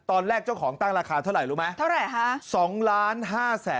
เจ้าของตั้งราคาเท่าไหร่รู้ไหมเท่าไหร่คะ